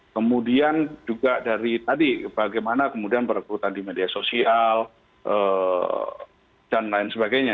kemudian juga dari tadi bagaimana kemudian perebutan di media sosial dan lain sebagainya